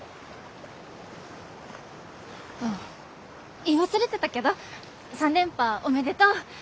あっ言い忘れてたけど３連覇おめでとう！